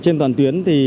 cần sớm khắc phục